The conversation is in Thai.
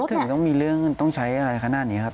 ถึงต้องมีเรื่องต้องใช้อะไรขนาดนี้ครับ